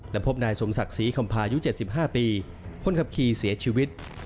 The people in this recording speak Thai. และพบนายสมศักดิ์ศรีคำพายุ๗๕ปีคนขับขี่เสียชีวิต